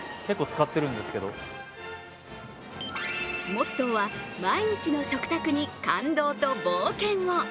モットーは「毎日の食卓に感動と冒険を」。